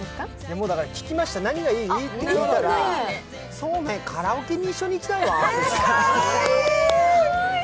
もう聞きました、何がいい？って聞いたらそうね、カラオケに一緒に行きたいわって。